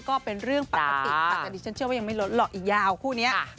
ก็เป็นเรื่องปกติค่ะแต่ดิฉันเชื่อว่ายังไม่ลดหรอกอีกยาวคู่นี้